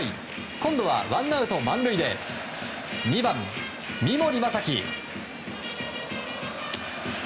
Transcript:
今度はワンアウト満塁で２番、三森大貴。